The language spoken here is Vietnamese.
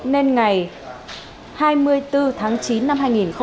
nên ngày hai mươi bốn tháng chín năm hai nghìn một mươi hai